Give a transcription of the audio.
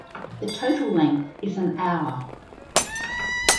The total length is an hour.